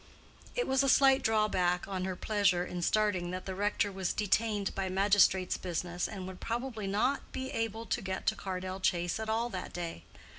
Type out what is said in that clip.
It was a slight drawback on her pleasure in starting that the rector was detained by magistrate's business, and would probably not be able to get to Cardell Chase at all that day.